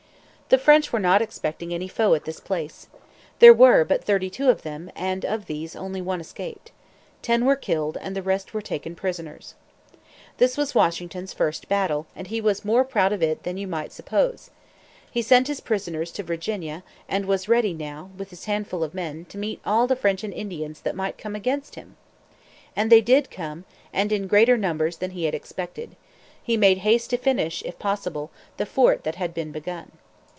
The French were not expecting any foe at this place. There were but thirty two of them; and of these only one escaped. Ten were killed, and the rest were taken prisoners. This was Washington's first battle, and he was more proud of it than you might suppose. He sent his prisoners to Virginia, and was ready now, with his handful of men, to meet all the French and Indians that might come against him! And they did come, and in greater numbers than he had expected. He made haste to finish, if possible, the fort that had been begun.